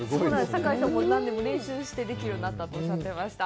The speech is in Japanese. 酒井さんも何度も練習してできるようになったとおっしゃっていました。